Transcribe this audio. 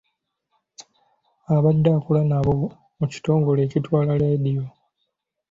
Abadde akola nabo mu kitongole ekitwala leediyo .